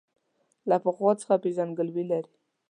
له پخوا څخه پېژندګلوي لري.